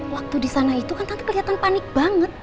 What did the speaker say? waktu di sana itu kan nanti kelihatan panik banget